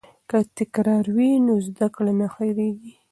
که تکرار وي نو زده کړه نه هیریږي.